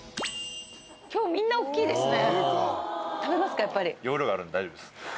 今日みんな大っきいですね。